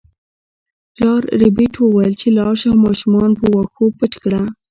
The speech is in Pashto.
پلار ربیټ وویل چې لاړه شه او ماشومان په واښو پټ کړه